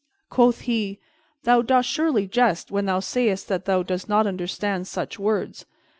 Quoth he, "Thou dost surely jest when thou sayest that thou dost not understand such words.